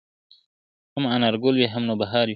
هم انارګل وي هم نوبهار وي ,